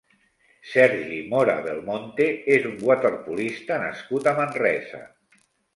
Sergi Mora Belmonte és un waterpolista nascut a Manresa.